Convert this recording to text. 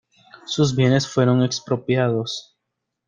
Sus bienes fueron expropiados.